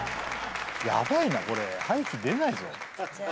ヤバいなこれ廃棄出ないぞ。